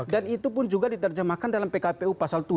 dan itu pun juga diterjemahkan dalam pkpu pasal tujuh